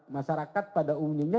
masyarakat pada umumnya